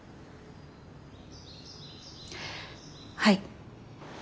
はい。